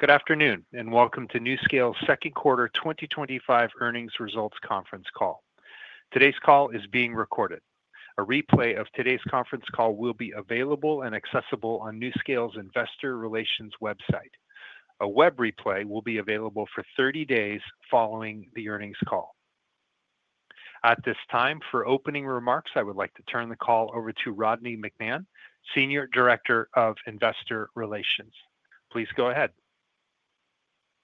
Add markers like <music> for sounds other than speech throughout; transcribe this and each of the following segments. Good afternoon and welcome to NuScale Power's Second Quarter 2025 Earnings Results Conference Call. Today's call is being recorded. A replay of today's conference call will be available and accessible on NuScale Power's Investor Relations website. A web replay will be available for 30 days following the earnings call. At this time, for opening remarks, I would like to turn the call over to Rodney McMahan, Senior Director of Investor Relations. Please go ahead.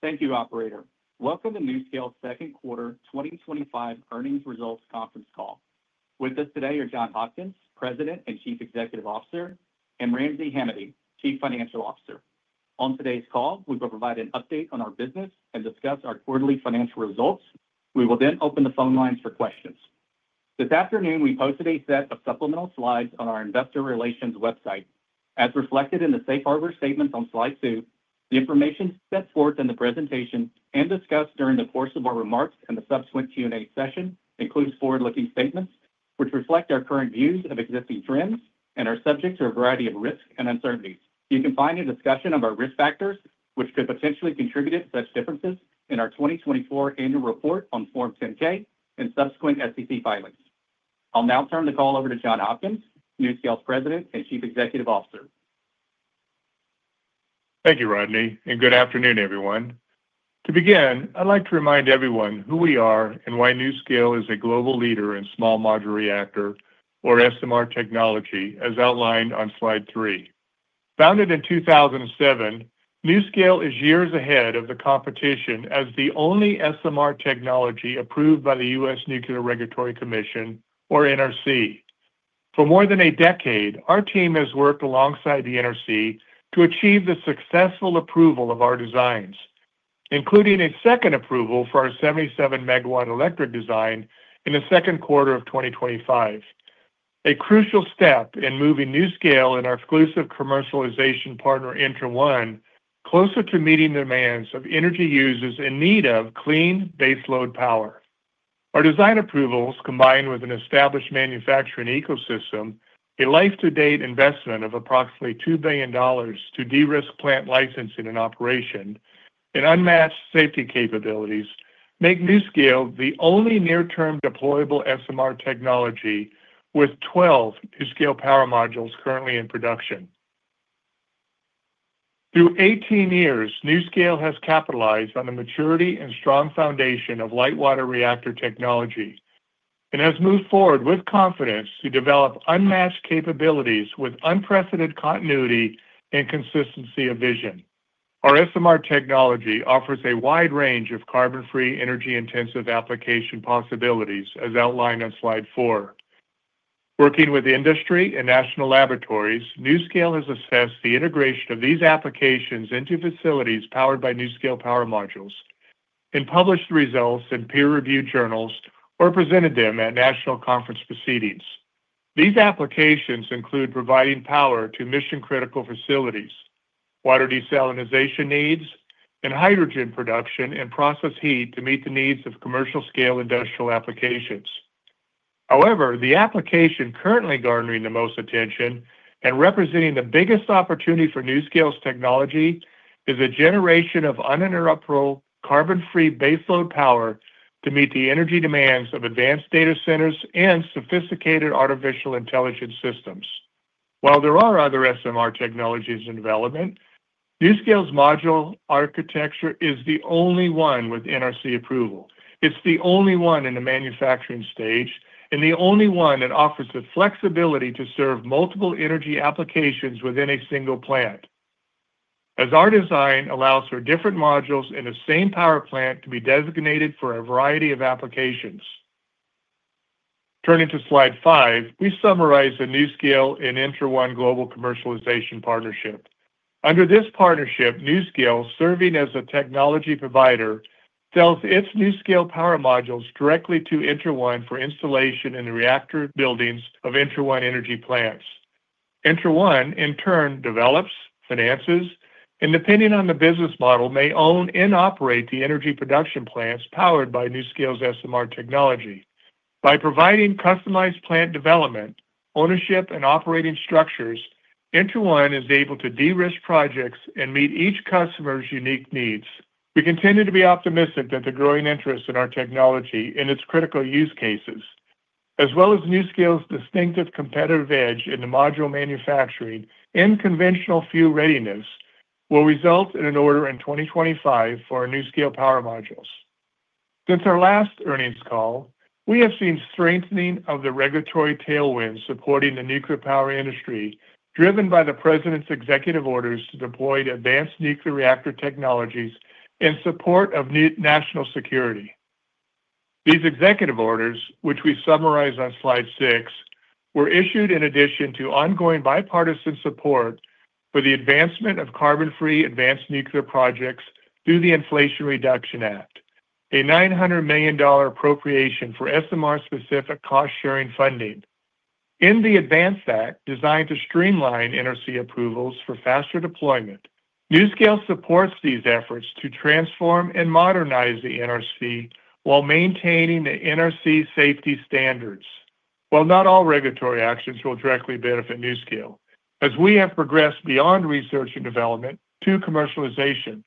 Thank you, Operator. Welcome to NuScale Power's second quarter 2025 earnings results conference call. With us today are John Hopkins, President and Chief Executive Officer, and Ramsey Hamady, Chief Financial Officer. On today's call, we will provide an update on our business and discuss our quarterly financial results. We will then open the phone lines for questions. This afternoon, we posted a set of supplemental slides on our Investor Relations website. As reflected in the safe harbor statement on slide two, the information set forth in the presentation and discussed during the course of our remarks and the subsequent Q&A session includes forward-looking statements, which reflect our current views of existing trends and are subject to a variety of risks and uncertainties. You can find a discussion of our risk factors, which could potentially contribute to such differences in our 2024 annual report on Form 10-K and subsequent SEC filings. I'll now turn the call over to John Hopkins, NuScale Power's President and Chief Executive Officer. Thank you, Rodney, and good afternoon, everyone. To begin, I'd like to remind everyone who we are and why NuScale is a global leader in small modular reactor, or SMR technology, as outlined on slide three. Founded in 2007, NuScale is years ahead of the competition as the only SMR technology approved by the U.S. Nuclear Regulatory Commission, or NRC. For more than a decade, our team has worked alongside the NRC to achieve the successful approval of our designs, including a second approval for our 77 MW electric design in the second quarter of 2025. A crucial step in moving NuScale and our exclusive commercialization partner, ENTRA1, closer to meeting the demands of energy users in need of clean baseload power. Our design approvals, combined with an established manufacturing ecosystem, a life-to-date investment of approximately $2 billion to de-risk plant licensing and operation, and unmatched safety capabilities make NuScale the only near-term deployable SMR technology with 12 NuScale Power Modules currently in production. Through 18 years, NuScale has capitalized on the maturity and strong foundation of light water reactor technology and has moved forward with confidence to develop unmatched capabilities with unprecedented continuity and consistency of vision. Our SMR technology offers a wide range of carbon-free, energy-intensive application possibilities, as outlined on slide four. Working with industry and national laboratories, NuScale has assessed the integration of these applications into facilities powered by NuScale Power Modules and published results in peer-reviewed journals or presented them at national conference proceedings. These applications include providing power to mission-critical facilities, water desalinization needs, and hydrogen production, and process heat to meet the needs of commercial-scale industrial applications. However, the application currently garnering the most attention and representing the biggest opportunity for NuScale's technology is a generation of uninterruptible, carbon-free baseload power to meet the energy demands of advanced data centers and sophisticated artificial intelligence systems. While there are other SMR technologies in development, NuScale's module architecture is the only one with NRC approval. It's the only one in the manufacturing stage and the only one that offers the flexibility to serve multiple energy applications within a single plant, as our design allows for different modules in the same power plant to be designated for a variety of applications. Turning to slide five, we summarize the NuScale and ENTRA1 global commercialization partnership. Under this partnership, NuScale, serving as a technology provider, sells its NuScale Power Modules directly to ENTRA1 for installation in the reactor buildings of ENTRA1 energy plants. ENTRA1, in turn, develops, finances, and, depending on the business model, may own and operate the energy production plants powered by NuScale's SMR technology. By providing customized plant development, ownership, and operating structures, ENTRA1 is able to de-risk projects and meet each customer's unique needs. We continue to be optimistic that the growing interest in our technology and its critical use cases, as well as NuScale's distinctive competitive edge in the module manufacturing and conventional fuel readiness, will result in an order in 2025 for our NuScale Power Modules. Since our last earnings call, we have seen strengthening of the regulatory tailwind supporting the nuclear power industry, driven by the President's executive orders to deploy advanced nuclear reactor technologies in support of national security. These executive orders, which we summarize on slide six, were issued in addition to ongoing bipartisan support for the advancement of carbon-free advanced nuclear projects through the Inflation Reduction Act, a $900 million appropriation for SMR-specific cost-sharing funding. In the Advanced Act, designed to streamline NRC approvals for faster deployment, NuScale supports these efforts to transform and modernize the NRC while maintaining the NRC safety standards. While not all regulatory actions will directly benefit NuScale, as we have progressed beyond research and development to commercialization,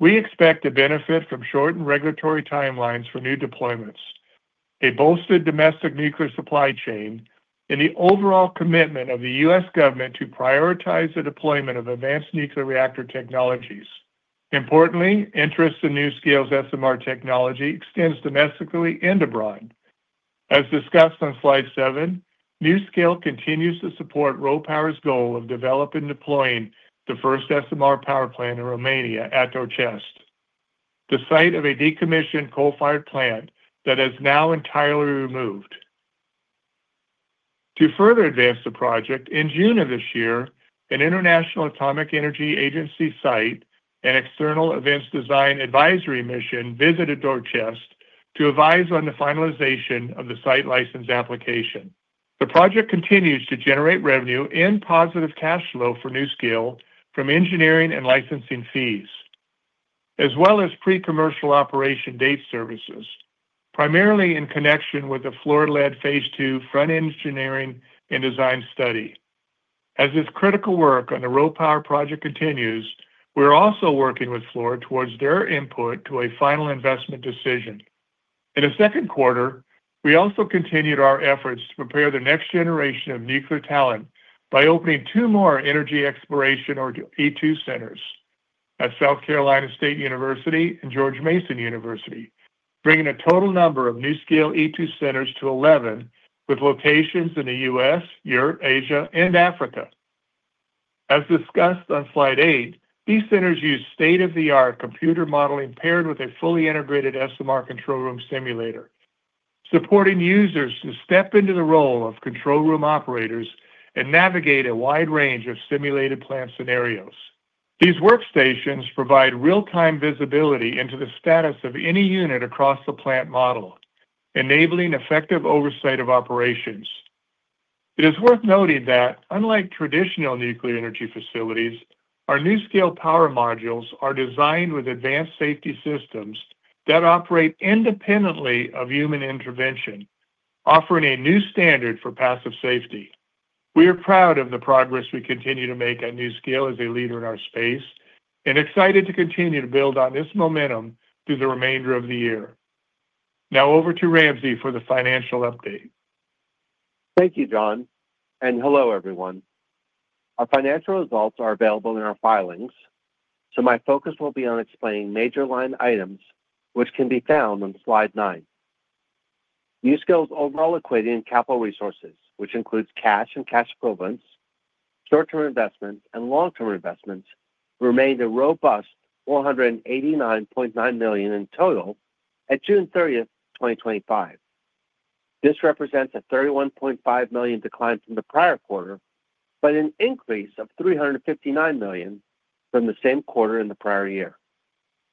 we expect to benefit from shortened regulatory timelines for new deployments, a bolstered domestic nuclear supply chain, and the overall commitment of the U.S. government to prioritize the deployment of advanced nuclear reactor technologies. Importantly, interest in NuScale's SMR technology extends domestically and abroad. As discussed on slide seven, NuScale continues to support RoPower's goal of developing and deploying the first SMR power plant in Romania, at Doicesti, the site of a decommissioned coal-fired plant that is now entirely removed. To further advance the project, in June of this year, an International Atomic Energy Agency site and external events design advisory mission visited Doicesti to advise on the finalization of the site license application. The project continues to generate revenue and positive cash flow for NuScale from engineering and licensing fees, as well as pre-commercial operation date services, primarily in connection with the Fluor-led Phase II front-end engineering and design study. As this critical work on the RoPower project continues, we are also working with Fluor towards their input to a final investment decision. In the second quarter, we also continued our efforts to prepare the next generation of nuclear talent by opening two more energy exploration, or E2 centers, at South Carolina State University and George Mason University, bringing the total number of NuScale E2 centers to 11, with locations in the U.S., Europe, Asia, and Africa. As discussed on slide eight, these centers use state-of-the-art computer modeling paired with a fully integrated SMR control room simulator, supporting users to step into the role of control room operators and navigate a wide range of simulated plant scenarios. These workstations provide real-time visibility into the status of any unit across the plant model, enabling effective oversight of operations. It is worth noting that, unlike traditional nuclear energy facilities, our NuScale Power Modules are designed with advanced safety systems that operate independently of human intervention, offering a new standard for passive safety. We are proud of the progress we continue to make at NuScale as a leader in our space and excited to continue to build on this momentum through the remainder of the year. Now over to Ramsey for the financial update. Thank you, John, and hello everyone. Our financial results are available in our filings, so my focus will be on explaining major line items, which can be found on slide nine. NuScale's overall equity in capital resources, which includes cash and cash equivalents, short-term investments, and long-term investments, remains a robust $489.9 million in total at June 30, 2025. This represents a $31.5 million decline from the prior quarter, but an increase of $359 million from the same quarter in the prior year.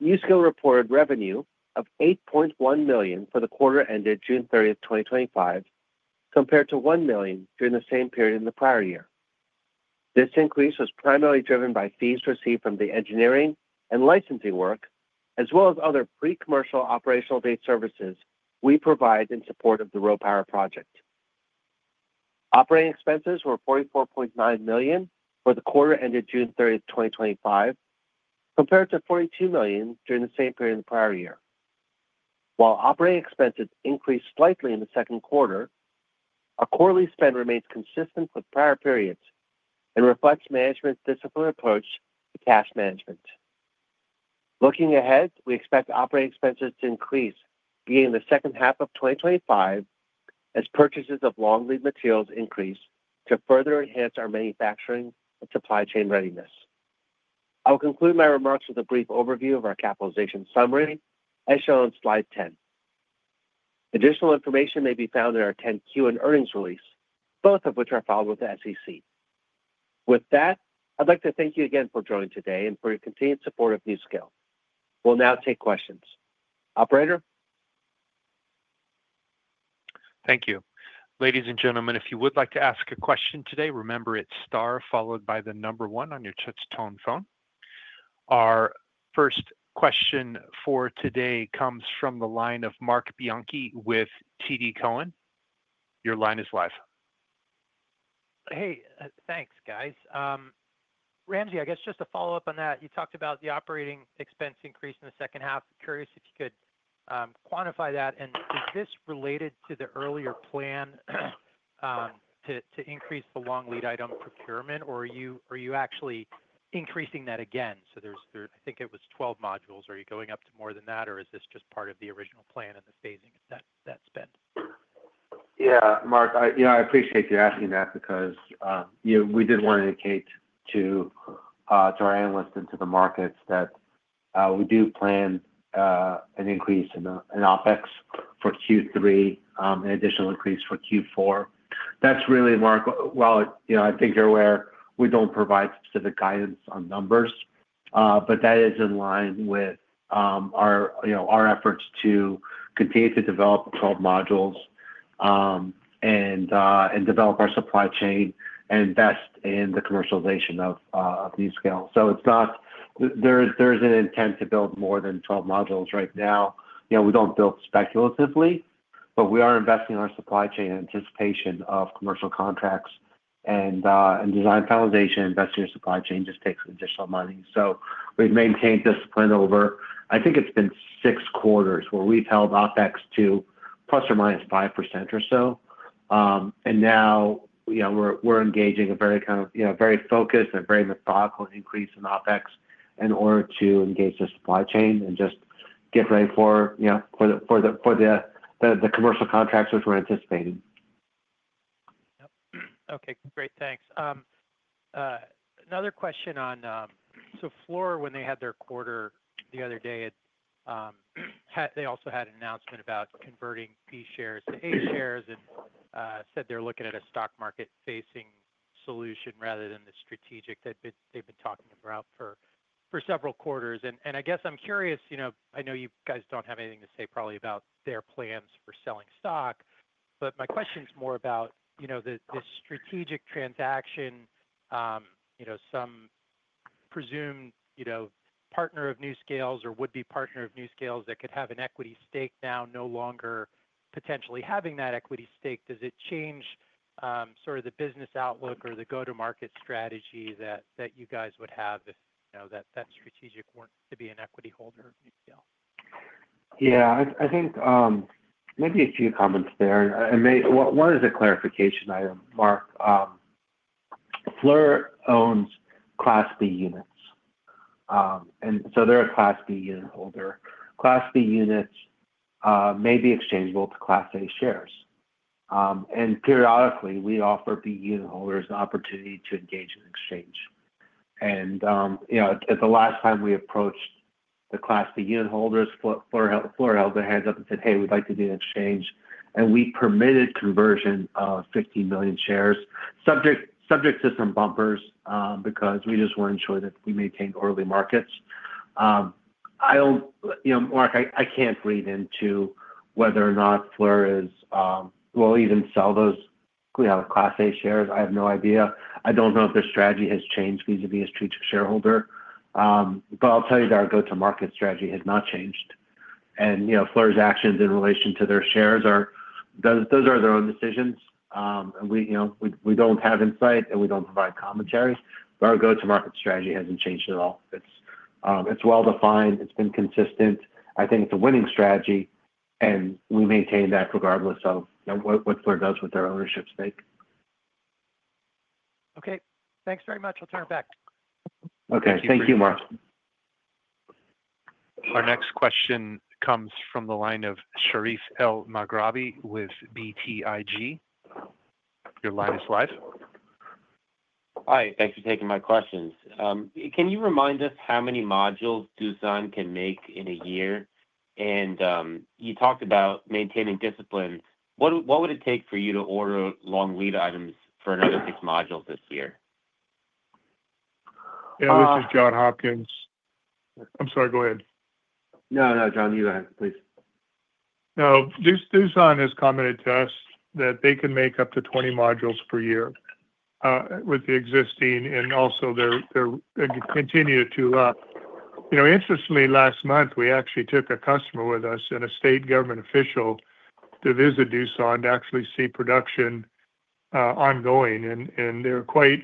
NuScale reported revenue of $8.1 million for the quarter ended June 30, 2025, compared to $1 million during the same period in the prior year. This increase was primarily driven by fees received from the engineering and licensing work, as well as other pre-commercial operational date services we provide in support of the RoPower project. Operating expenses were $44.9 million for the quarter ended June 30, 2025, compared to $42 million during the same period in the prior year. While operating expenses increased slightly in the second quarter, our quarterly spend remains consistent with prior periods and reflects management's disciplined approach to cash management. Looking ahead, we expect operating expenses to increase beginning the second half of 2025, as purchases of long-lead materials increase to further enhance our manufacturing and supply chain readiness. I will conclude my remarks with a brief overview of our capitalization summary, as shown on slide ten. Additional information may be found in our 10-Q and earnings release, both of which are filed with the SEC. With that, I'd like to thank you again for joining today and for your continued support of NuScale. We'll now take questions. Operator? Thank you. Ladies and gentlemen, if you would like to ask a question today, remember it's star followed by the number one on your touch-tone phone. Our first question for today comes from the line of Marc Bianchi with TD Cowen. Your line is live. Hey, thanks, guys. Ramsey, I guess just to follow up on that, you talked about the operating expense increase in the second half. Curious if you could quantify that. Is this related to the earlier plan to increase the long-lead item procurement, or are you actually increasing that again? There's, I think it was 12 modules. Are you going up to more than that, or is this just part of the original plan and the phasing of that spend? Yeah, Mark, I appreciate you asking that because we did want to indicate to our analysts and to the markets that we do plan an increase in OpEx for Q3 and an additional increase for Q4. That's really, Mark, I think you're aware we don't provide specific guidance on numbers, but that is in line with our efforts to continue to develop 12 modules and develop our supply chain and invest in the commercialization of NuScale. It's not that there is an intent to build more than 12 modules right now. We don't build speculatively, but we are investing in our supply chain in anticipation of commercial contracts and design finalization. Investing in your supply chain just takes additional money. We've maintained discipline over, I think it's been six quarters where we've held OpEx to ±5% or so. Now we're engaging a very focused and very methodical increase in OpEx in order to engage the supply chain and just get ready for the commercial contracts which we're anticipating. Yep. Okay, great, thanks. Another question on, so Fluor, when they had their quarter the other day, they also had an announcement about converting P-shares to A-shares and said they're looking at a stock market-facing solution rather than the strategic that they've been talking about for several quarters. I guess I'm curious, you know, I know you guys don't have anything to say probably about their plans for selling stock, but my question's more about, you know, this strategic transaction, you know, some presumed, you know, partner of NuScale's or would-be partner of NuScale's that could have an equity stake now no longer potentially having that equity stake. Does it change sort of the business outlook or the go-to-market strategy that you guys would have if, you know, that strategic weren't to be an equity holder of NuScale? Yeah, I think maybe a few comments there. One is a clarification item, Mark. Fluor owns Class B units, and so they're a Class B unit holder. Class B units may be exchangeable to Class A shares. Periodically, we offer B unit holders the opportunity to engage in exchange. The last time we approached the Class B unit holders, Fluor held their hands up and said, "Hey, we'd like to do an exchange." We permitted conversion of 50 million shares, subject to some bumpers because we just want to ensure that we maintained orderly markets. I can't read into whether or not Fluor will even sell those Class A shares. I have no idea. I don't know if their strategy has changed vis-à-vis a strategic shareholder. I'll tell you that our go-to-market strategy has not changed. Fluor's actions in relation to their shares are their own decisions. We don't have insight and we don't provide commentaries, but our go-to-market strategy hasn't changed at all. It's well-defined. It's been consistent. I think it's a winning strategy, and we maintain that regardless of what Fluor does with their ownership stake. Okay, thanks very much. I'll turn it back. Okay. Thank you, Marc. Our next question comes from the line of Sherif Elmaghrabi with BTIG. Your line is live. Hi. Thanks for taking my questions. Can you remind us how many modules Doosan can make in a year? You talked about maintaining discipline. What would it take for you to order long lead items for another of these modules this year? Yeah, this is John Hopkins. I'm sorry, go ahead. No, John, you go ahead, please. No, Doosan has commented to us that they can make up to 20 modules per year with the existing, and also they're going to continue to tune up. Interestingly, last month, we actually took a customer with us and a state government official to visit Doosan to actually see production ongoing. They were quite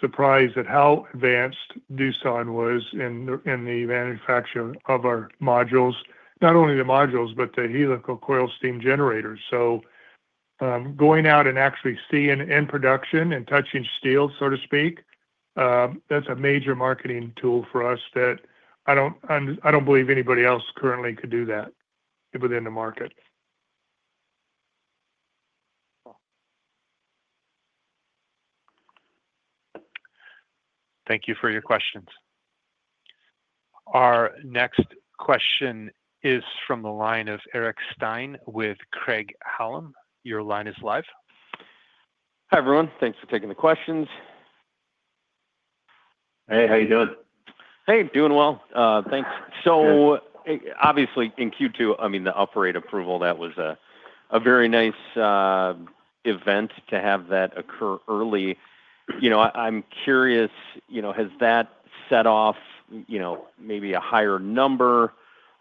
surprised at how advanced Doosan was in the manufacturing of our modules, not only the modules, but the helical coil steam generators. Going out and actually seeing end production and touching steel, so to speak, that's a major marketing tool for us that I don't believe anybody else currently could do that within the market. Thank you for your questions. Our next question is from the line of Eric Stine with Craig-Hallum. Your line is live. Hi, everyone. Thanks for taking the questions. Hey, how are you doing? Hey, doing well. Thanks. Obviously, in Q2, the operator approval was a very nice event to have that occur early. I'm curious, has that set off maybe a higher number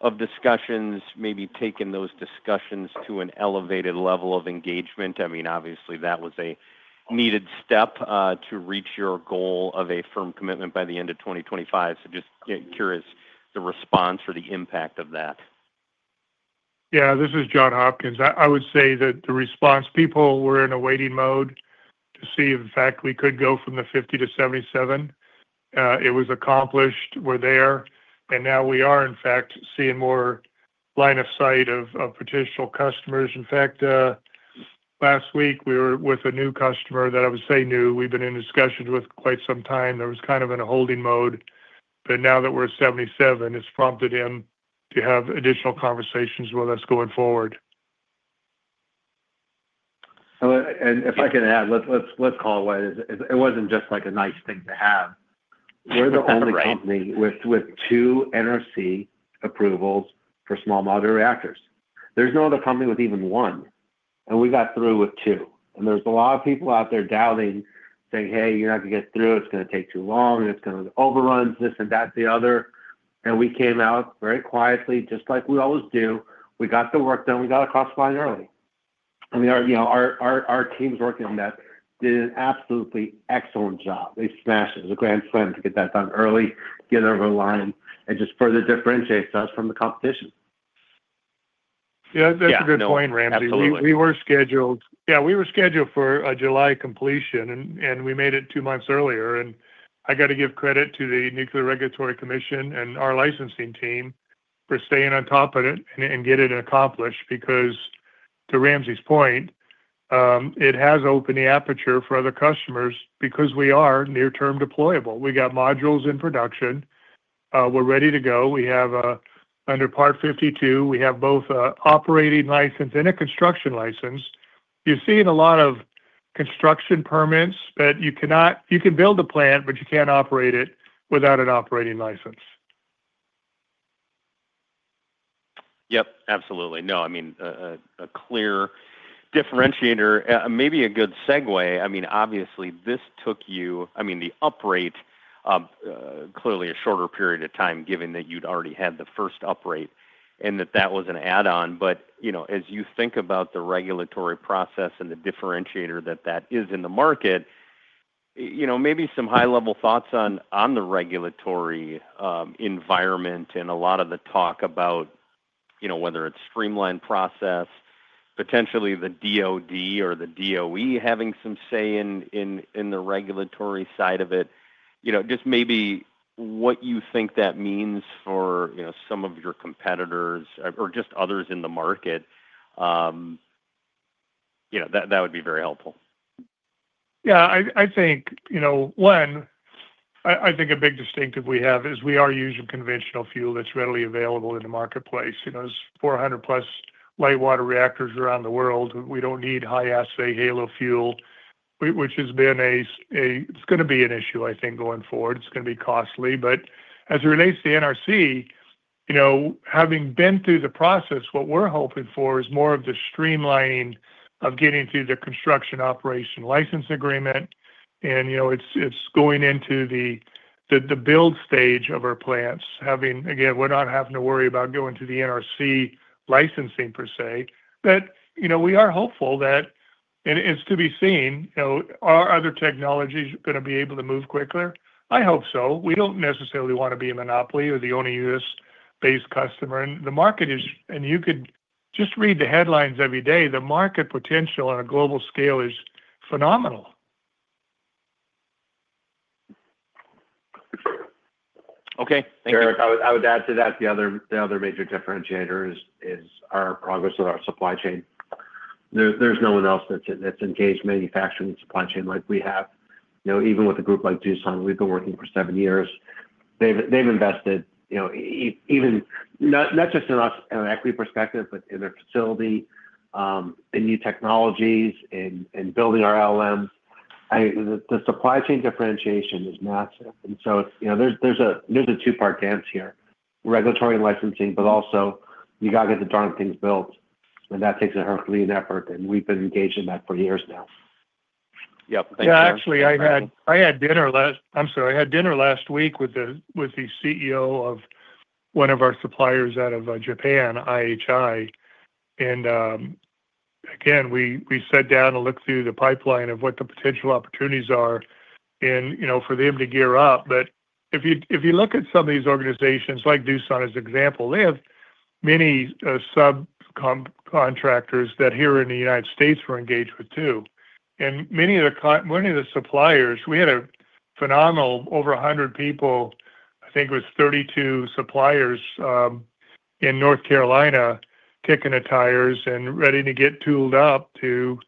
of discussions, maybe taken those discussions to an elevated level of engagement? Obviously, that was a needed step to reach your goal of a firm commitment by the end of 2025. Just curious the response or the impact of that. Yeah, this is John Hopkins. I would say that the response, people were in a waiting mode to see if, in fact, we could go from the 50 MW to 77 MW. It was accomplished. We're there, and now we are, in fact, seeing more line of sight of potential customers. In fact, last week, we were with a new customer that I would say new. We've been in discussions with quite some time. They were kind of in a holding mode. Now that we're at 77 MW, it's prompted him to have additional conversations with us going forward. If I can add, let's call it, it wasn't just like a nice thing to have. We're the only company with two NRC approvals for small modular reactors. There's no other company with even one. We got through with two. There are a lot of people out there doubting, saying, "Hey, you're not going to get through. It's going to take too long. It's going to overrun this, and that, and the other." We came out very quietly, just like we always do. We got the work done. We got across the line early. Our team's working on that. They did an absolutely excellent job. They smashed it. It was a grand slam to get that done early, get it over the line, and just further differentiate us from the competition. That's a good point, Ramsey. We were scheduled for a July completion, and we made it two months earlier. I got to give credit to the Nuclear Regulatory Commission and our licensing team for staying on top of it and getting it accomplished because, to Ramsey's point, it has opened the aperture for other customers because we are near-term deployable. We got modules in production. We're ready to go. We have, under Part 52, both an operating license and a construction license. You're seeing a lot of construction permits that you cannot, you can build a plant, but you can't operate it without an operating license. Absolutely. A clear differentiator. Maybe a good segue. Obviously, this took you, the uprate, clearly a shorter period of time, given that you'd already had the first uprate and that was an add-on. As you think about the regulatory process and the differentiator that is in the market, maybe some high-level thoughts on the regulatory environment and a lot of the talk about whether it's streamlined process, potentially the DOD or the DOE having some say in the regulatory side of it. Just maybe what you think that means for some of your competitors or just others in the market. That would be very helpful. Yeah, I think one, I think a big distinctive we have is we are using conventional fuel that's readily available in the marketplace. There's 400+ light water reactors around the world. We don't need high-assay low-enriched uranium fuel, which has been a, it's going to be an issue, I think, going forward. It's going to be costly. As it relates to the Nuclear Regulatory Commission, having been through the process, what we're hoping for is more of the streamlining of getting through the construction operation license agreement. It's going into the build stage of our plants, having, again, we're not having to worry about going through the Nuclear Regulatory Commission licensing per se. We are hopeful that, and it's to be seen, are other technologies going to be able to move quickly? I hope so. We don't necessarily want to be a monopoly or the only U.S.-based customer. The market is, and you could just read the headlines every day, the market potential on a global scale is phenomenal. Okay. Thanks, Eric. I would add to that, the other major differentiator is our progress with our supply chain. There's no one else that's engaged manufacturing supply chain like we have. Even with a group like Doosan, we've been working for seven years. They've invested, not just in an equity perspective, but in their facility, in new technologies, and building our LLMs. The supply chain differentiation is massive. There's a two-part dance here: regulatory licensing, but also you got to get the darn thing built. That takes a heck of an effort. We've been engaged in that for years now. Yeah, thank you, guys. Yeah, actually, I had dinner last week with the CEO of one of our suppliers out of Japan, IHI. Again, we sat down and looked through the pipeline of what the potential opportunities are and, you know, for them to gear up. If you look at some of these organizations, like Doosan as an example, they have many subcontractors that here in the United States we're engaged with too. Many of the suppliers, we had a phenomenal, over 100 people, I think it was 32 suppliers in North Carolina, kicking the tires and ready to get tooled up to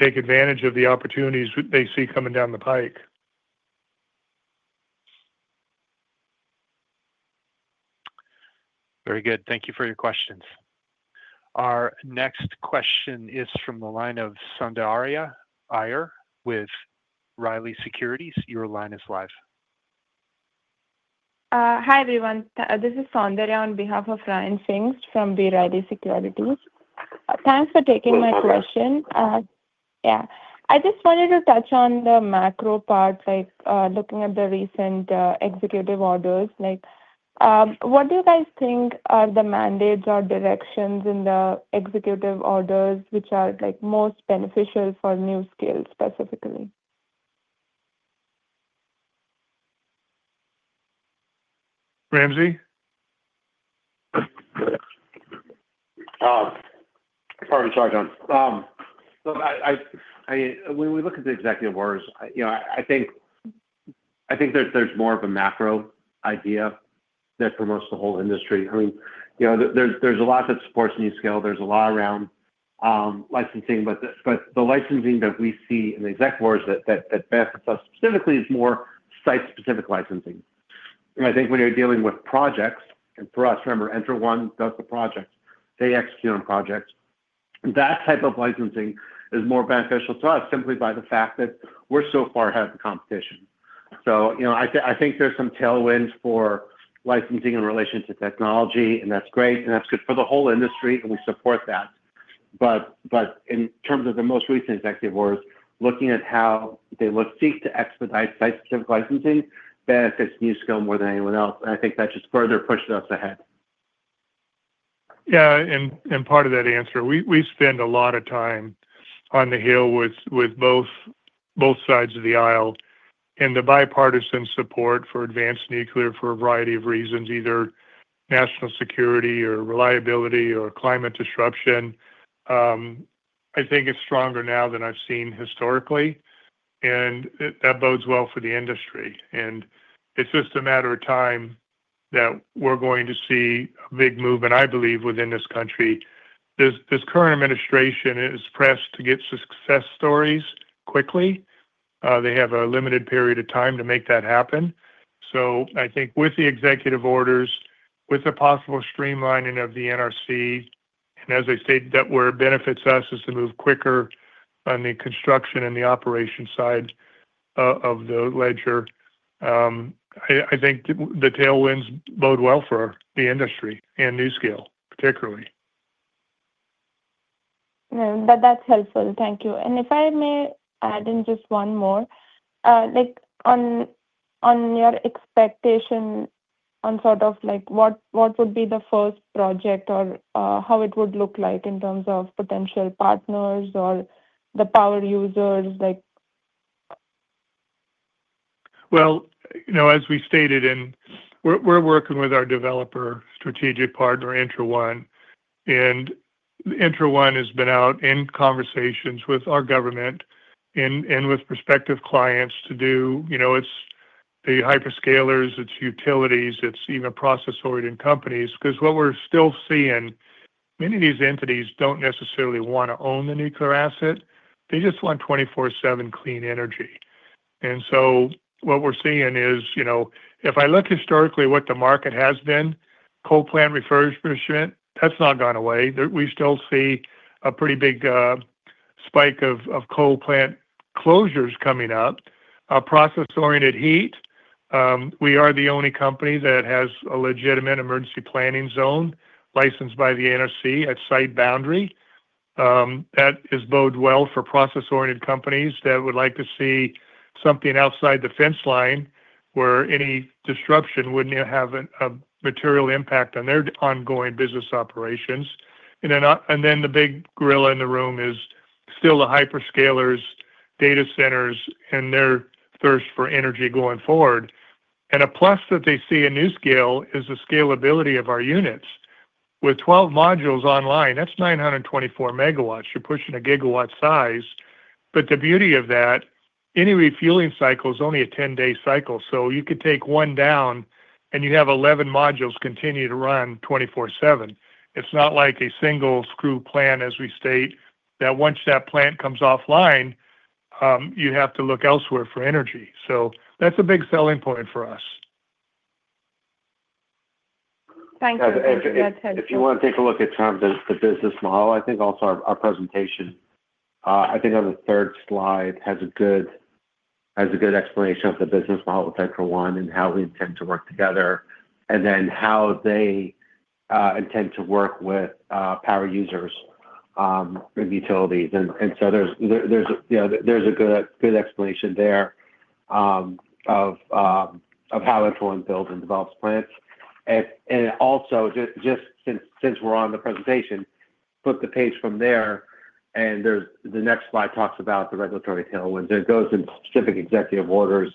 take advantage of the opportunities that they see coming down the pike. Very good. Thank you for your questions. Our next question is from the line of Sundarya Iyer with B. Riley Securities. Your line is live. Hi, everyone. This is Sundaria on behalf of Ryan Pfingst from B. Riley Securities. Thanks for taking my question. I just wanted to touch on the macro part, like looking at the recent executive orders. What do you guys think are the mandates or directions in the executive orders which are most beneficial for NuScale specifically? Ramsey? Sorry to talk, John. When we look at the executive orders, I think there's more of a macro idea that promotes the whole industry. I mean, there's a lot that supports NuScale. There's a lot around licensing, but the licensing that we see in the executive orders that benefit us specifically is more site-specific licensing. I think when you're dealing with projects, and for us, remember, ENTRA1 does the project. They execute on projects. That type of licensing is more beneficial to us simply by the fact that we're so far ahead of the competition. I think there's some tailwinds for licensing in relation to technology, and that's great, and that's good for the whole industry, and we support that. In terms of the most recent executive orders, looking at how they seek to expedite site-specific licensing benefits NuScale more than anyone else. I think that just further pushes us ahead. Yeah, part of that answer, we spend a lot of time on the Hill with both sides of the aisle. The bipartisan support for advanced nuclear, for a variety of reasons, either national security or reliability or climate disruption, I think it's stronger now than I've seen historically. That bodes well for the industry. It's just a matter of time that we're going to see a big movement, I believe, within this country. This current administration is pressed to get success stories quickly. They have a limited period of time to make that happen. I think with the executive orders, with the possible streamlining of the NRC, and as I stated, where it benefits us is to move quicker on the construction and the operation side of the ledger, I think the tailwinds bode well for the industry and NuScale particularly. That's helpful. Thank you. If I may add in just one more, on your expectation on what would be the first project or how it would look like in terms of potential partners or the power users? As we stated, we're working with our developer, strategic partner, ENTRA1. ENTRA1 has been out in conversations with our government and with prospective clients. It's the hyperscalers, it's utilities, it's even process-oriented companies because what we're still seeing, many of these entities don't necessarily want to own the nuclear asset. They just want 24/7 clean energy. What we're seeing is, if I look historically at what the market has been, coal plant refurbishment, that's not gone away. We still see a pretty big spike of coal plant closures coming up. Our process-oriented heat, we are the only company that has a legitimate emergency planning zone licensed by the NRC at site boundary. That has bode well for process-oriented companies that would like to see something outside the fence line where any disruption wouldn't have a material impact on their ongoing business operations. The big gorilla in the room is still the hyperscalers, data centers, and their thirst for energy going forward. A plus that they see in NuScale is the scalability of our units. With 12 modules online, that's 924 MW. You're pushing a gigawatt size. The beauty of that, any refueling cycle is only a 10-day cycle. You could take one down and you have 11 modules continue to run 24/7. It's not like a single screwed plan, as we state, that once that plant comes offline, you have to look elsewhere for energy. That's a big selling point for us. Thank you. If you want to take a look at some of the business model, I think also our presentation, I think on the third slide has a good explanation of the business model with ENTRA1 and how we intend to work together and then how they intend to work with power users and utilities. There's a good explanation there of how ENTRA1 builds and develops plants. Just since we're on the presentation, flip the page from there, and the next slide talks about the regulatory tailwinds. It goes in specific executive orders,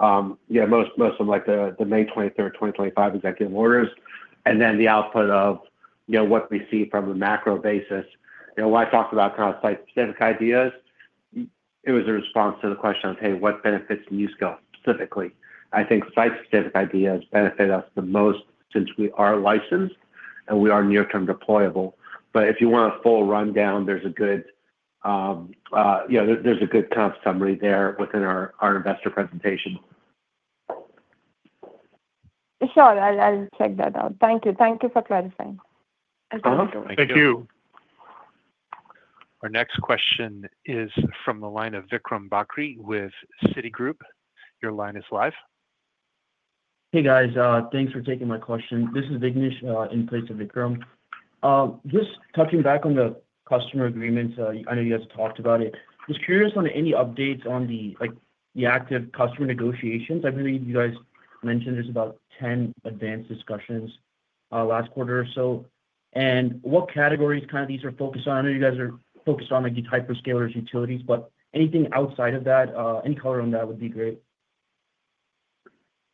most of them like the May 23, 2025 executive orders, and then the output of what we see from a macro basis. When I talk about kind of site-specific ideas, it was a response to the question of, "Hey, what benefits NuScale specifically?" I think site-specific ideas benefit us the most since we are licensed and we are near-term deployable. If you want a full rundown, there's a good kind of summary there within our investor presentation. Sure, I'll check that out. Thank you. Thank you for clarifying. Thank you. Our next question is from the line of Vikram Bakri with Citigroup. Your line is live. Hey, guys. Thanks for taking my question. This is Vignesh in place of Vikram. Just touching back on the customer agreements, I know you guys have talked about it. Just curious on any updates on the active customer negotiations. I believe you guys mentioned there's about 10 advanced discussions last quarter or so. What categories kind of these are focused on? I know you guys are focused on like these hyperscalers, utilities, but anything outside of that, any color on that would be great.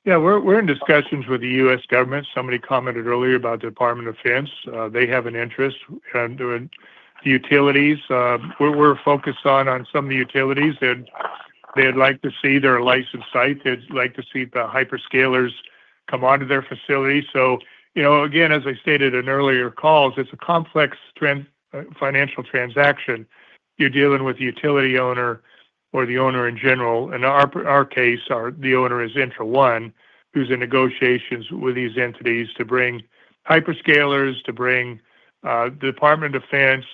Yeah, we're in discussions with the U.S. government. Somebody commented earlier about the Department of Defense. They have an interest in the utilities. We're focused on some of the utilities, and they'd like to see their licensed site. They'd like to see the hyperscalers come onto their facility. As I stated in earlier calls, it's a complex financial transaction. You're dealing with the utility owner or the owner in general. In our case, the owner is ENTRA1, who's in negotiations with these entities to bring hyperscalers, to bring the Department of Defense.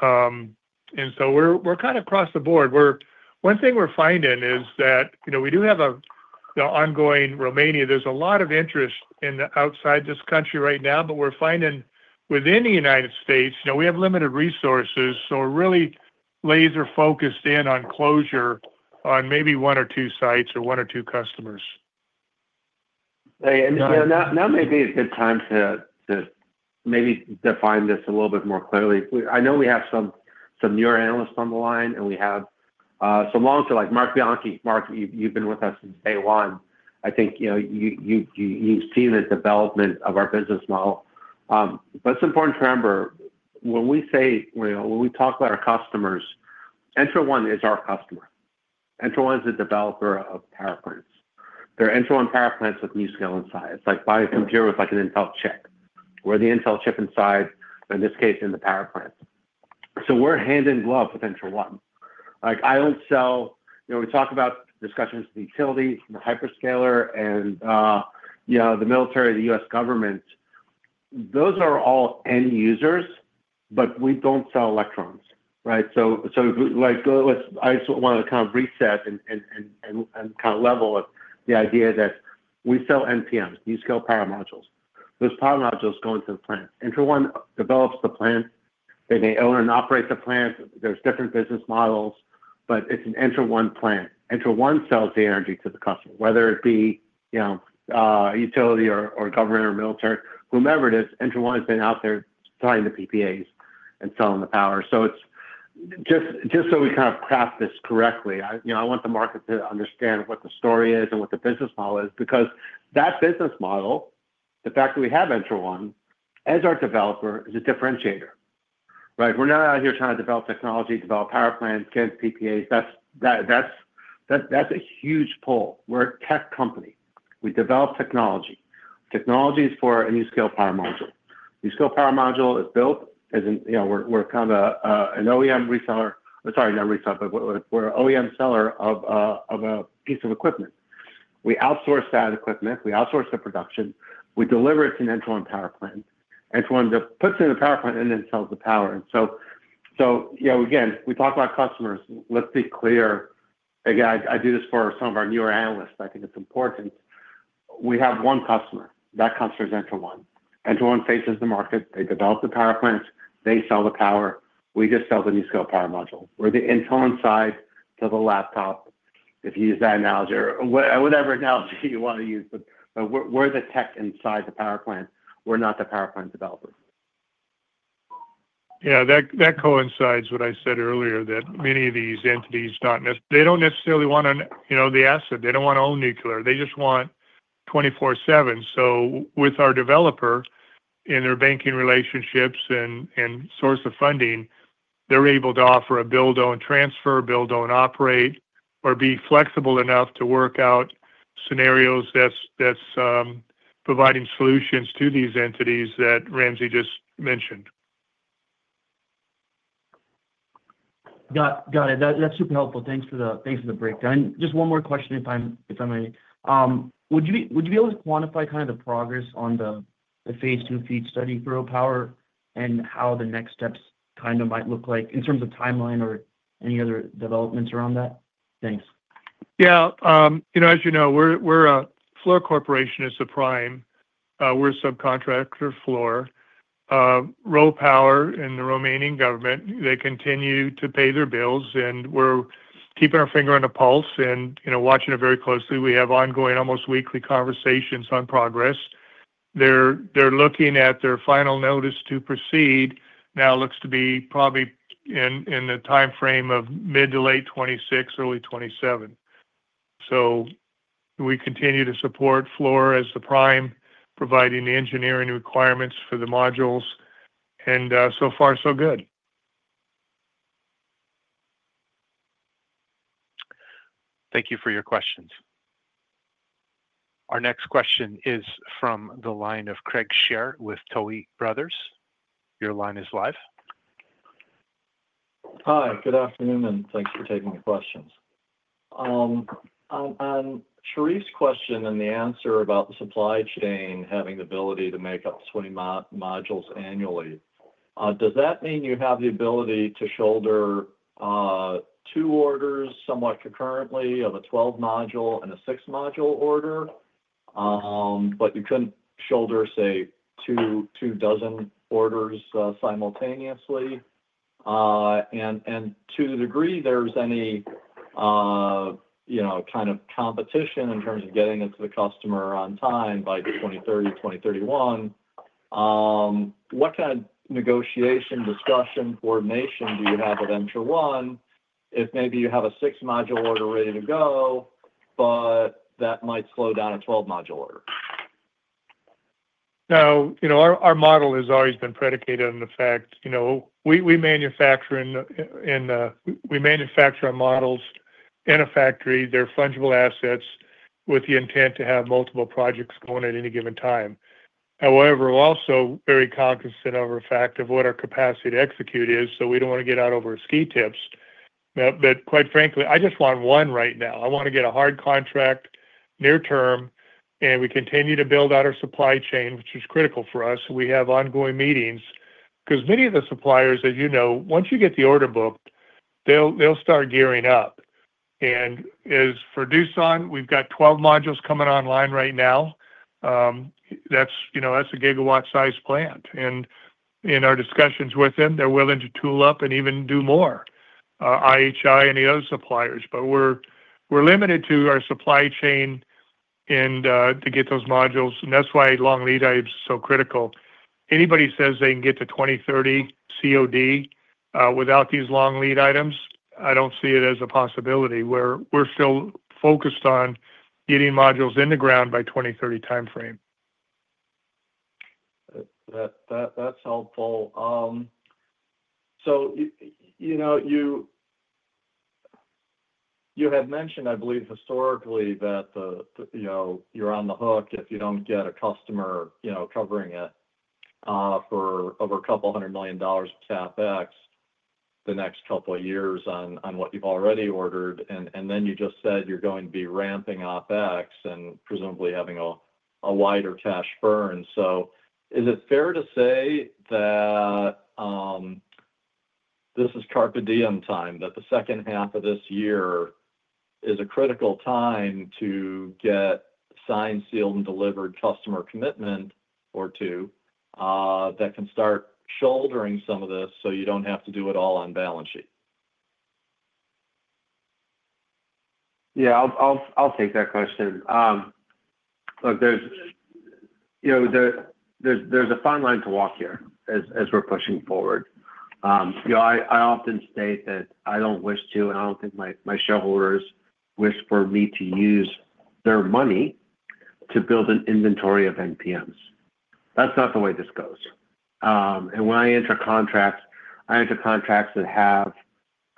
We're kind of across the board. One thing we're finding is that we do have the ongoing Romania. There's a lot of interest outside this country right now, but we're finding within the United States, we have limited resources, so we're really laser-focused in on closure on maybe one or two sites or one or two customers. Now maybe it's a good time to define this a little bit more clearly. I know we have some newer analysts on the line, and we have some long-term, like Marc Bianchi. Marc, you've been with us since day one. I think you've seen the development of our business model. It's important to remember when we talk about our customers, ENTRA1 is our customer. ENTRA1 is a developer of power plants. They're ENTRA1 power plants with NuScale inside. It's like buying a computer with an Intel chip. We're the Intel chip inside, in this case, in the power plant. We're hand-in-glove with ENTRA1. I don't sell, we talk about discussions with the utilities, the hyperscaler, and the military, the U.S. government. Those are all end users, but we don't sell electrons, right? I just want to kind of reset and level with the idea that we sell NPMs, NuScale Power Modules. Those power modules go into the plant. ENTRA1 develops the plant and they own and operate the plant. There are different business models, but it's an ENTRA1 plant. ENTRA1 sells the energy to the customer, whether it be a utility or government or military, whomever it is, ENTRA1 has been out there buying the PPAs and selling the power. Just so we craft this correctly, I want the market to understand what the story is and what the business model is because that business model, the fact that we have ENTRA1 as our developer, is a differentiator, right? We're not out here trying to develop technology, develop power plants, get PPAs. That's a huge pull. We're a tech company. We develop technology. Technology is for a NuScale Power Module. NuScale Power Module is built as an, we're kind of an OEM seller. I'm sorry, not reseller, but we're an OEM seller of a piece of equipment. We outsource that equipment. We outsource the production. We deliver it to an ENTRA1 power plant. ENTRA1 puts it in the power plant and then sells the power. Again, we talk about customers. Let's be clear. I do this for some of our newer analysts. I think it's important. We have one customer. That customer is ENTRA1. ENTRA1 faces the market. They develop the power plants. They sell the power. We just sell the NuScale Power Module. We're the Intel inside to the laptop, if you use that analogy, or whatever analogy you want to use. We're the tech inside the power plant. We're not the power plant developer. Yeah, that coincides with what I said earlier, that many of these entities, they don't necessarily want to, you know, the asset. They don't want to own nuclear. They just want 24/7. With our developer and their banking relationships and source of funding, they're able to offer a build-own-transfer, build-own-operate, or be flexible enough to work out scenarios that's providing solutions to these entities that Ramsey just mentioned. Got it. That's super helpful. Thanks for the breakdown. Just one more question, if I may. Would you be able to quantify kind of the progress on the Phase II feed study for RoPower and how the next steps kind of might look like in terms of timeline or any other developments around that? Thanks. Yeah, as you know, we're a Fluor Corporation as a prime. We're a subcontractor of Fluor. RoPower and the Romanian government, they continue to pay their bills, and we're keeping our finger on the pulse, watching it very closely. We have ongoing, almost weekly conversations on progress. They're looking at their final notice to proceed. Now it looks to be probably in the timeframe of mid to late 2026, early 2027. We continue to support Fluor as the prime, providing the engineering requirements for the modules. So far, so good. Thank you for your questions. Our next question is from the line of Craig Shere with Tuohy Brothers. Your line is live. Hi, good afternoon, and thanks for taking the questions. On Sherif's question and the answer about the supply chain having the ability to make up 20 modules annually, does that mean you have the ability to shoulder two orders somewhat concurrently of a 12-module and a 6-module order, but you couldn't shoulder, say, two dozen orders simultaneously? To the degree there's any, you know, kind of competition in terms of getting it to the customer on time by 2030, 2031, what kind of negotiation, discussion, coordination do you have with ENTRA1 if maybe you have a 6-module order ready to go, but that might slow down a 12-module order? No, you know, our model has always been predicated on the fact, you know, we manufacture our models in a factory. They're fungible assets with the intent to have multiple projects going at any given time. However, we're also very cognizant of the fact of what our capacity to execute is, so we don't want to get out over our ski tips. Quite frankly, I just want one right now. I want to get a hard contract near term, and we continue to build out our supply chain, which is critical for us. We have ongoing meetings because many of the suppliers, as you know, once you get the order booked, they'll start gearing up. As for Doosan, we've got 12 modules coming online right now. That's a gigawatt-sized plant. In our discussions with them, they're willing to tool up and even do more, IHI and the other suppliers. We're limited to our supply chain and to get those modules. That's why long lead items are so critical. Anybody says they can get to 2030 COD without these long lead items, I don't see it as a possibility. We're still focused on getting modules in the ground by the 2030 timeframe. That's helpful. You have mentioned, I believe, historically that you're on the hook if you don't get a customer, covering it for over a couple hundred million dollars of CapEx the next couple of years on what you've already ordered. You just said you're going to be ramping OpEx and presumably having a wider cash burn. Is it fair to say that this is carpe diem time, that the second half of this year is a critical time to get signed, sealed, and delivered customer commitment or two that can start shouldering some of this so you don't have to do it all on balance sheet? I'll take that question. Look, there's a fine line to walk here as we're pushing forward. I often state that I don't wish to, and I don't think my shareholders wish for me to use their money to build an inventory of NPMs. That's not the way this goes. When I enter contracts, I enter contracts that have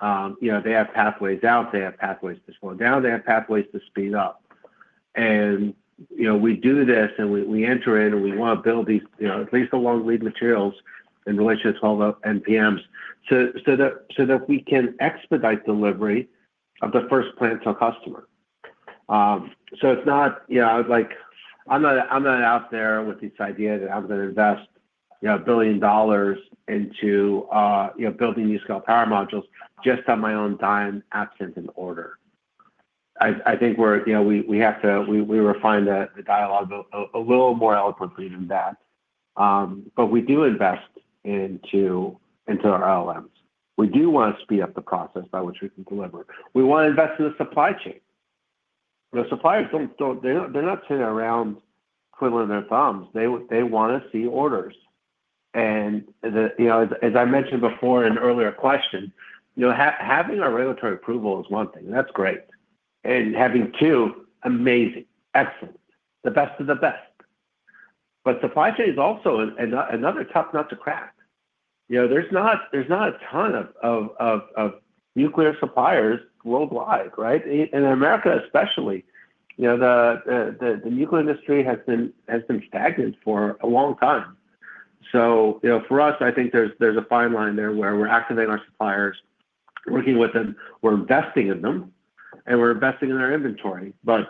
pathways out, they have pathways to slow down, they have pathways to speed up. We do this and we enter in and we want to build at least the long lead materials in relation to 12 NPMs so that we can expedite delivery of the first plant to a customer. It's not, I'm not out there with this idea that I'm going to invest a billion dollars into building these power modules just on my own dime, absent an order. I think we have to, we refine the dialogue a little more eloquently than that. We do invest into our LLMs. We do want to speed up the process by which we can deliver. We want to invest in the supply chain. The suppliers, they're not sitting around twiddling their thumbs. They want to see orders. As I mentioned before in an earlier question, having our regulatory approval is one thing. That's great. Having two, amazing, excellent. The best of the best. Supply chain is also another tough nut to crack. There's not a ton of nuclear suppliers worldwide, right? In America especially, the nuclear industry has been stagnant for a long time. For us, I think there's a fine line there where we're activating our suppliers, working with them, we're investing in them, and we're investing in our inventory. As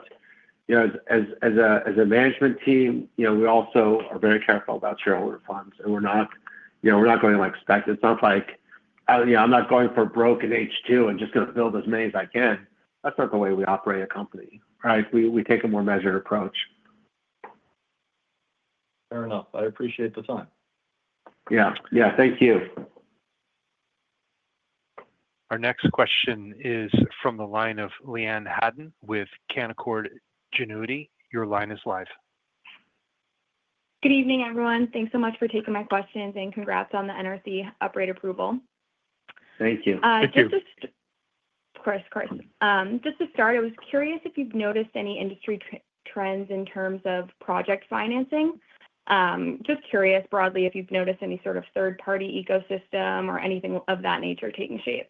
a management team, we also are very careful about shareholder funds and we're not, we're not going like spec. It's not like, I'm not going for broke in H2 and just going to build as many as I can. That's not the way we operate a company, right? We take a more measured approach. Fair enough. I appreciate the time. Thank you. Our next question is from the line of Leanne Hayden with Canaccord Genuity. Your line is live. Good evening, everyone. Thanks so much for taking my questions, and congrats on the NRC upgrade approval. Thank you. Thank you. Of course, of course. Just to start, I was curious if you've noticed any industry trends in terms of project financing. Just curious broadly if you've noticed any sort of third-party ecosystem or anything of that nature taking shape.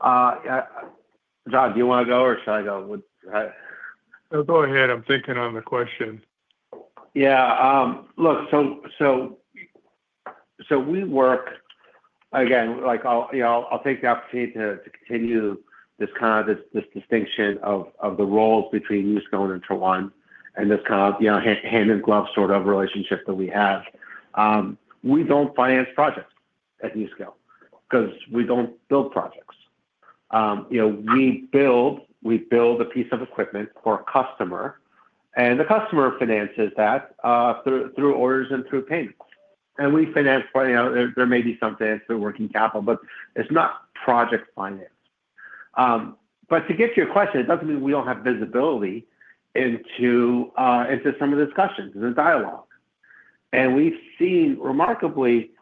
John, do you want to go or should I go? Go ahead. I'm thinking on the question. Yeah. Look, we work, again, like I'll take the opportunity to continue this distinction of the roles between NuScale Power and ENTRA1 and this kind of, you know, hand-in-glove sort of relationship that we have. We don't finance projects at NuScale Power because we don't build projects. You know, we build a piece of equipment for a customer, and the customer finances that through orders and through payments. We finance, you know, there may be some finances through working capital, but it's not project finance. To get to your question, it doesn't mean we don't have visibility into some of the discussions and the dialogue. We've seen remarkably,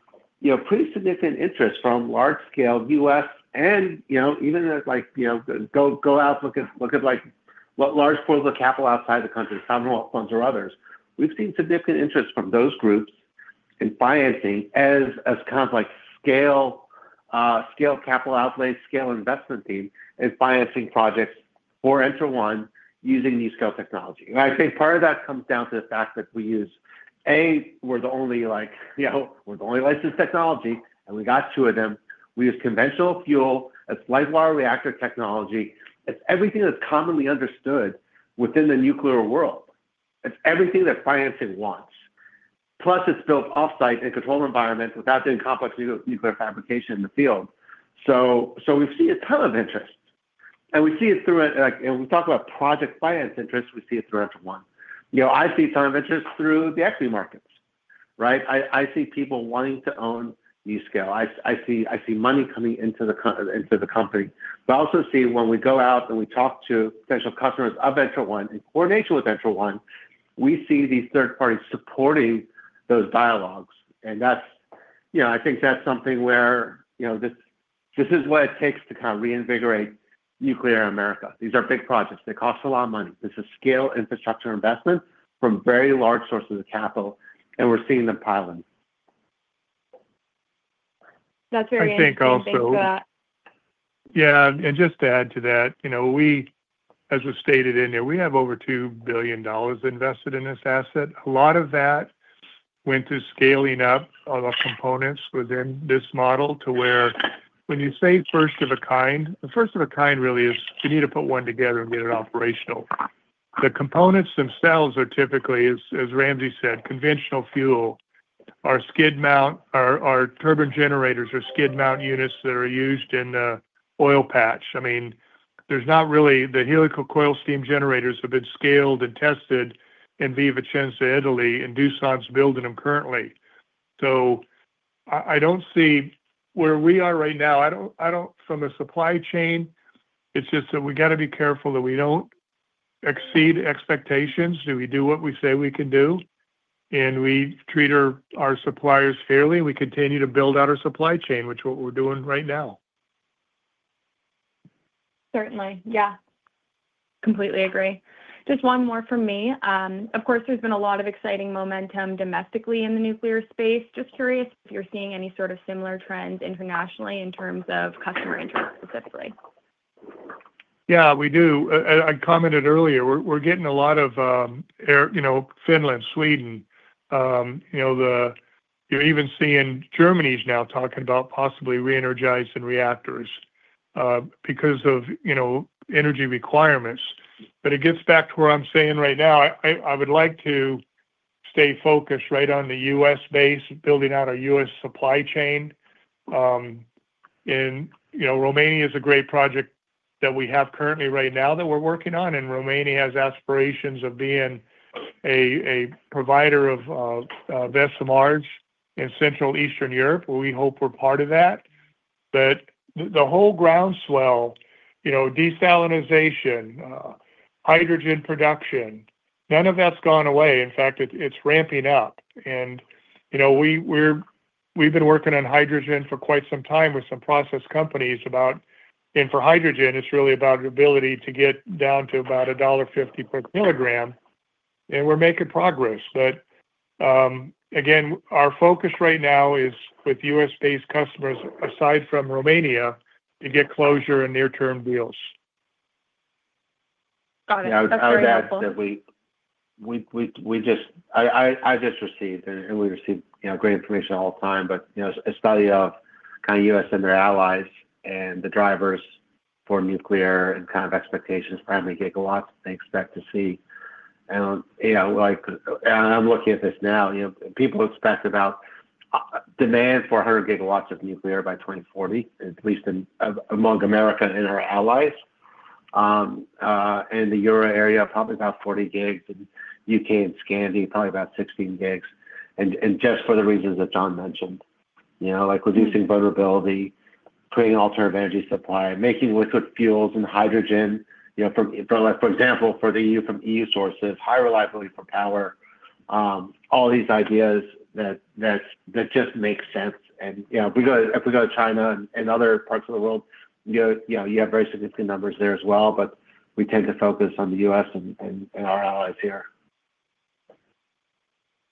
you know, pretty significant interest from large-scale U.S. and, you know, even like, you know, go out, look at large pools of capital outside the country, Commonwealth funds or others. We've seen significant interest from those groups in financing as kind of like scale capital outlay, scale investment theme, is financing projects for ENTRA1 using NuScale Power technology. I think part of that comes down to the fact that we use, A, we're the only, like, you know, we're the only licensed technology, and we got two of them. We use conventional fuel. It's light water reactor technology. It's everything that's commonly understood within the nuclear world. It's everything that financing wants. Plus, it's built offsite in a controlled environment without doing complex nuclear fabrication in the field. We've seen a ton of interest. We see it through it, like, and when we talk about project finance interest, we see it through ENTRA1. I see some interest through the equity markets, right? I see people wanting to own NuScale Power. I see money coming into the company. I also see when we go out and we talk to potential customers of ENTRA1 in coordination with ENTRA1, we see these third parties supporting those dialogues. That's, you know, I think that's something where, you know, this is what it takes to kind of reinvigorate nuclear America. These are big projects. They cost a lot of money. This is scale infrastructure investment from very large sources of capital, and we're seeing them pile in. <crosstalk> That's very interesting. I think also, yeah, and just to add to that, you know, as was stated in there, we have over $2 billion invested in this asset. A lot of that went through scaling up of our components within this model to where, when you say first of a kind, the first of a kind really is you need to put one together and get it operational. The components themselves are typically, as Ramsey said, conventional fuel. Our turbine generators are skid mount units that are used in the oil patch. I mean, there's not really, the helical coil steam generators have been scaled and tested in Vicenza, Italy, and Doosan's building them currently. I don't see where we are right now. I don't, from the supply chain, it's just that we got to be careful that we don't exceed expectations. We do what we say we can do, and we treat our suppliers fairly, and we continue to build out our supply chain, which is what we're doing right now. Certainly. Yeah, completely agree. Just one more from me. Of course, there's been a lot of exciting momentum domestically in the nuclear space. Just curious if you're seeing any sort of similar trends internationally in terms of customer interest specifically. Yeah, we do. I commented earlier, we're getting a lot of, you know, Finland, Sweden, you know, even seeing Germany's now talking about possibly re-energizing reactors because of, you know, energy requirements. It gets back to where I'm saying right now, I would like to stay focused right on the U.S. base, building out our U.S. supply chain. Romania is a great project that we have currently right now that we're working on. Romania has aspirations of being a provider of SMRs in Central Eastern Europe. We hope we're part of that. The whole groundswell, desalinization, hydrogen production, none of that's gone away. In fact, it's ramping up. We've been working on hydrogen for quite some time with some process companies, and for hydrogen, it's really about the ability to get down to about $1.50 pkg. We're making progress. Again, our focus right now is with U.S.-based customers, aside from Romania, to get closure and near-term deals. Got it. That's very helpful. Yeah, I just received, and we receive great information all the time, but it's by kind of U.S. and their allies and the drivers for nuclear and kind of expectations, primary GW they expect to see. I'm looking at this now, people expect about demand for 100 GW of nuclear by 2040, at least among America and our allies. The Euro area of probably about 40 GW and UK and Scandi, probably about 16 GW. Just for the reasons that John mentioned, like reducing vulnerability, creating alternative energy supply, making liquid fuels and hydrogen, for example, for the EU from EU sources, high reliability for power, all these ideas that just make sense. If we go to China and other parts of the world, you have very significant numbers there as well, but we tend to focus on the U.S. and our allies here.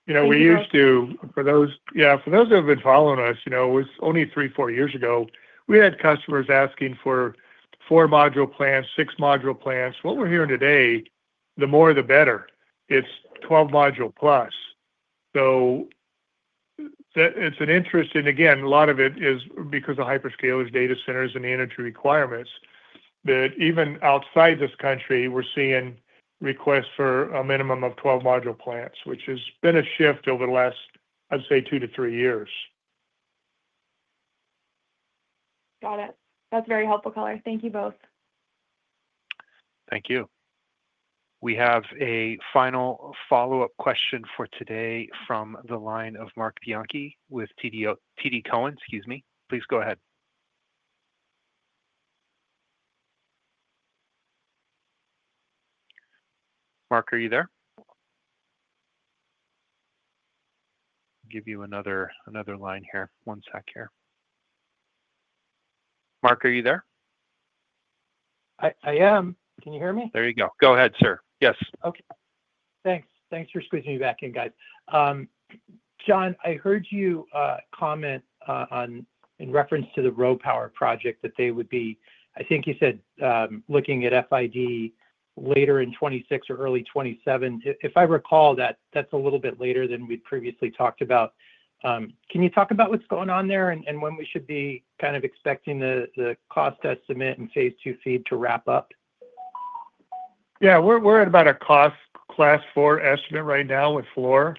For those who have been following us, it was only three, four years ago, we had customers asking for four module plants, six module plants. What we're hearing today, the more the better. It's 12 module plus. It's an interest, and again, a lot of it is because of hyperscalers, data centers, and the energy requirements that even outside this country, we're seeing requests for a minimum of 12 module plants, which has been a shift over the last, I'd say, two to three years. Got it. That's very helpful. Thank you both. Thank you. We have a final follow-up question for today from the line of Marc Bianchi with TD Cowen. Excuse me. Please go ahead. Marc, are you there? Give you another line here. One sec here. Marc, are you there? I am. Can you hear me? There you go. Go ahead, sir. Yes. Okay. Thanks. Thanks for squeezing me back in, guys. John, I heard you comment on, in reference to the RoPower project, that they would be, I think you said, looking at FID later in 2026 or early 2027. If I recall, that's a little bit later than we previously talked about. Can you talk about what's going on there and when we should be kind of expecting the cost estimate and Phase II FEED to wrap up? Yeah, we're at about a cost class four estimate right now with Fluor.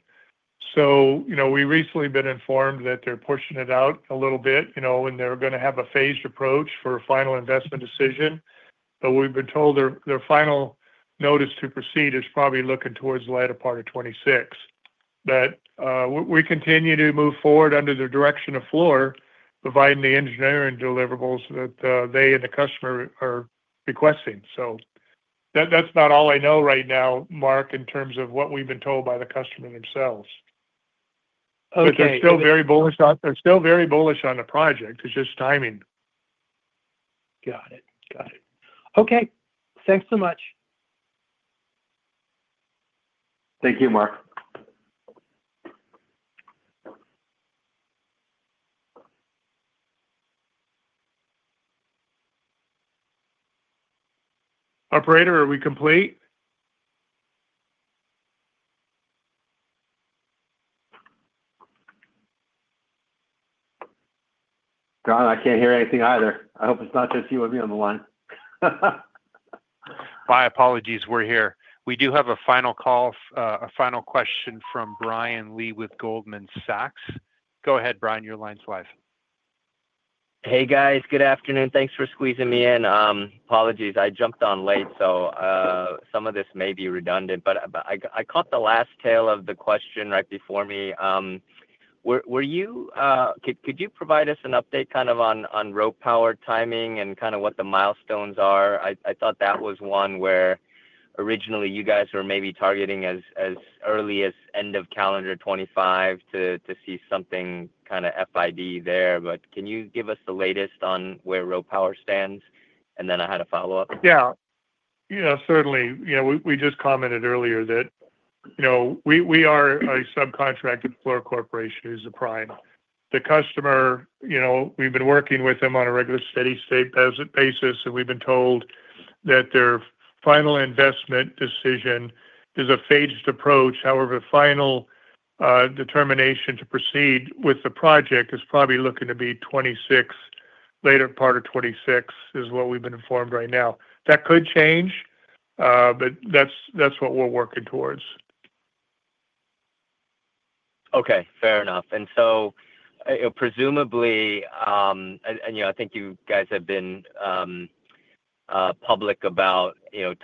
We've recently been informed that they're pushing it out a little bit, and they're going to have a phased approach for a final investment decision. We've been told their final notice to proceed is probably looking towards the latter part of 2026. We continue to move forward under the direction of Fluor, providing the engineering deliverables that they and the customer are requesting. That's all I know right now, Marc, in terms of what we've been told by the customer themselves. They're still very bullish on the project. It's just timing. Got it. Got it. Okay, thanks so much. Thank you, Marc. Operator, are we complete? John, I can't hear anything either. I hope it's not just you and me on the line. My apologies. We're here. We do have a final call, a final question from Brian Lee with Goldman Sachs. Go ahead, Brian. Your line's live. Hey, guys. Good afternoon. Thanks for squeezing me in. Apologies. I jumped on late, so some of this may be redundant, but I caught the last tail of the question right before me. Could you provide us an update kind of on RoPower timing and kind of what the milestones are? I thought that was one where originally you guys were maybe targeting as early as end of calendar 2025 to see something kind of FID there. Could you give us the latest on where RoPower stands? I had a follow-up. Yeah, certainly. We just commented earlier that we are a subcontract with Fluor Corporation, who's the prime. The customer, we've been working with them on a regular steady-state basis, and we've been told that their final investment decision is a phased approach. However, the final determination to proceed with the project is probably looking to be 2026, later part of 2026 is what we've been informed right now. That could change, but that's what we're working towards. Okay. Fair enough. Presumably, I think you guys have been public about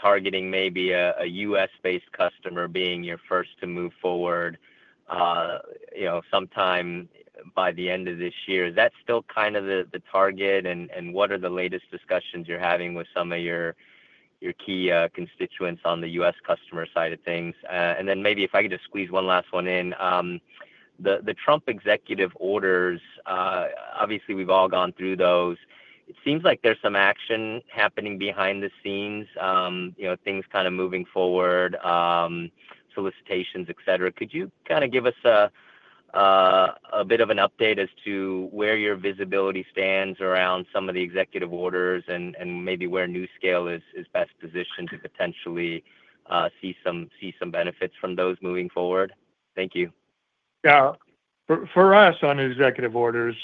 targeting maybe a U.S.-based customer being your first to move forward sometime by the end of this year. Is that still kind of the target? What are the latest discussions you're having with some of your key constituents on the U.S. customer side of things? Maybe if I could just squeeze one last one in. The Trump executive orders, obviously, we've all gone through those. It seems like there's some action happening behind the scenes, things kind of moving forward, solicitations, etc. Could you give us a bit of an update as to where your visibility stands around some of the executive orders and maybe where NuScale Power is best positioned to potentially see some benefits from those moving forward? Thank you. Yeah. For us, on executive orders,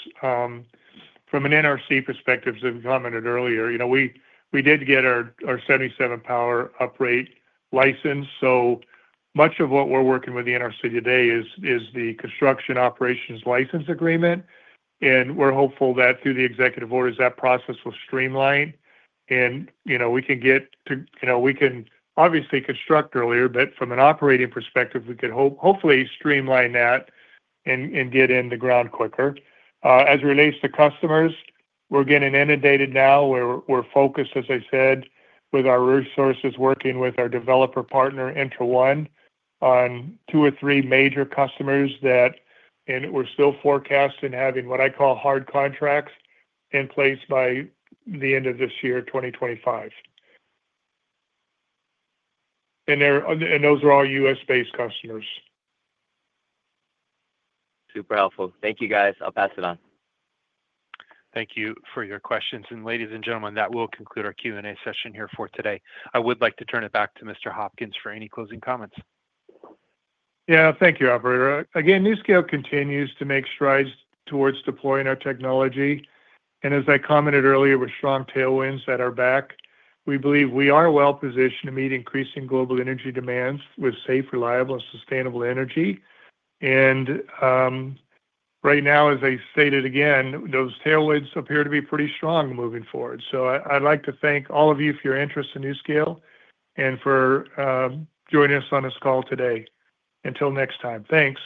from an NRC perspective, as I've commented earlier, we did get our 77 power upgrade license. Much of what we're working with the NRC today is the construction operations license agreement. We're hopeful that through the executive orders, that process will streamline. We can get to, you know, we can obviously construct earlier, but from an operating perspective, we could hopefully streamline that and get in the ground quicker. As it relates to customers, we're getting inundated now. We're focused, as I said, with our resources, working with our developer partner, ENTRA1, on two or three major customers that we're still forecasting having what I call hard contracts in place by the end of this year, 2025. Those are all U.S.-based customers. Super helpful. Thank you, guys. I'll pass it on. Thank you for your questions. Ladies and gentlemen, that will conclude our Q&A session here for today. I would like to turn it back to Mr. Hopkins for any closing comments. Thank you, operator. Again, NuScale continues to make strides towards deploying our technology. As I commented earlier, with strong tailwinds at our back, we believe we are well positioned to meet increasing global energy demands with safe, reliable, and sustainable energy. Right now, as I stated again, those tailwinds appear to be pretty strong moving forward. I would like to thank all of you for your interest in NuScale and for joining us on this call today. Until next time, thanks.